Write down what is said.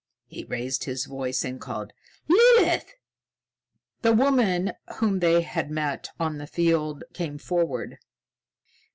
He raised his voice and called, "Lilith!" The woman whom they had met on the field came forward.